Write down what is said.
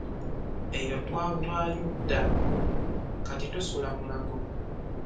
Eyo twavaayo dda kati tusula Mulago.